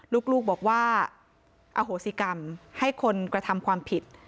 ลูกบอกว่าอโหสิกรรมให้คนกระทำความผิด